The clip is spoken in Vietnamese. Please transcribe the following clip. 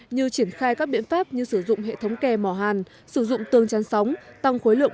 như triển khai các biện pháp như sử dụng hệ thống kè mỏ hàn sử dụng tương chăn sóng tăng khối lượng